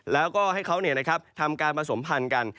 แล้วก็ให้เขาทำการผสมพันธ์กัน